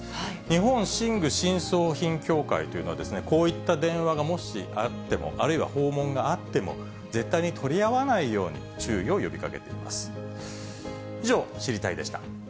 日本寝具寝装品協会というところは、こういった電話がもしあっても、あるいは訪問があっても、絶対に取り合わないように注意を呼びかけています。